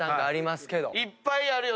いっぱいあるよね。